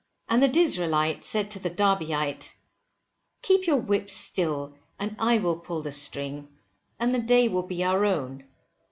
And the D'Israelite said to the Derbyite keep your whip still, and I will pull the string, and the day will be our own.